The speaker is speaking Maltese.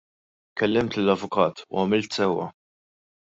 Kellimt lill-avukat, u għamilt sewwa.